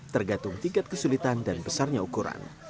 tergantung tingkat kesulitan dan besarnya ukuran